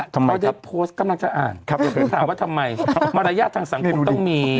ทำไมครับครับที่ถามว่าทำไมมารยาททางสังคมต้องมี